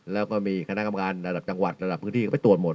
แล้วก็มีคณะกรรมการระดับจังหวัดระดับพื้นที่ก็ไปตรวจหมด